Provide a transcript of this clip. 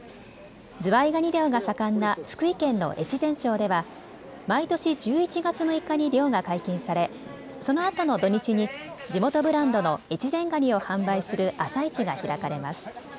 ズワイガニ漁が盛んな福井県の越前町では毎年１１月６日に漁が解禁されそのあとの土日に地元ブランドの越前がにを販売する朝市が開かれます。